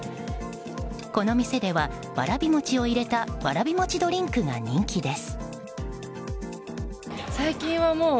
この店ではわらび餅を入れたわらび餅ドリンクが人気です。